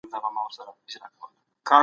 موږ د محتکرینو پر وړاندې کلک ولاړ یو.